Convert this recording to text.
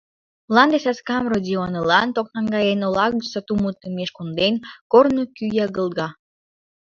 Мланде саскам Родинылан ток наҥгаен, ола гыч сатум утымеш конден, корно кӱ ягылга.